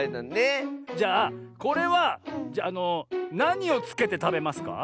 じゃあこれはなにをつけてたべますか？